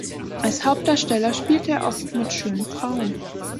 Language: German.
Als Hauptdarsteller spielte er oft mit schönen Frauen.